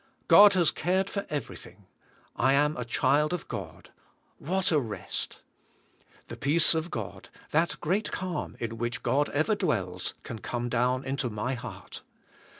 God has cared for everything. I am a child of God. What a rest. The peace of God, that great calm in which God ever dwells, can come down into my heart.